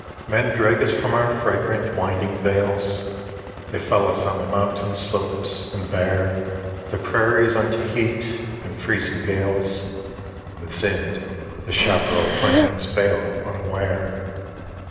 Men drag us from our fragrant winding vales, They fell us on the mountain slopes, and bare The prairies unto heat, and freezing gales, And thinned, the chaparral plains fail unaware.